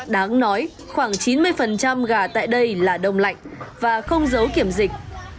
đáng nói khoảng chín mươi gà tại đây là đông lạnh và không giấu kiểm dịch